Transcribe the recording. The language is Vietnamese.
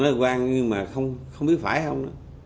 nói quang nhưng mà không biết phải không